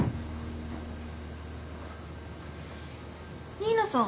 新名さん。